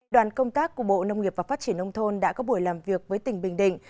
đoàn công tác của bộ nông nghiệp và phát triển nông thôn đã có buổi làm việc với tỉnh bình định